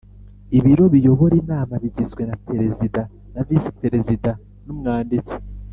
ibiro biyobora inama bigizwe na Perezida na visiPerezida n umwanditsi